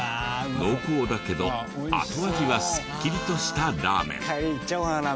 濃厚だけど後味はすっきりとしたラーメン。